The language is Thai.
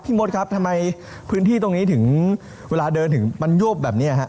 มดครับทำไมพื้นที่ตรงนี้ถึงเวลาเดินถึงมันโยบแบบนี้ฮะ